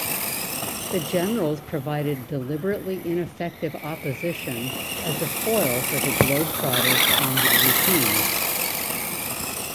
The Generals provided deliberately ineffective opposition as a foil for the Globetrotters' comedy routines.